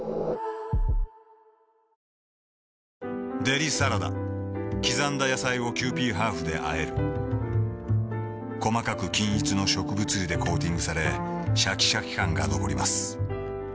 デリサラダ刻んだ野菜をキユーピーハーフであえる細かく均一の植物油でコーティングされシャキシャキ感が残ります